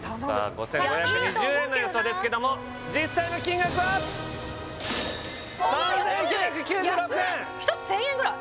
５５２０円の予想ですけども実際の金額はあ安い安い１つ１０００円ぐらい？